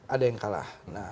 ada yang kalah